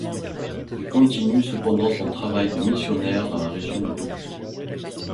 Il continue cependant son travail de missionnaire dans la région de Tokyo.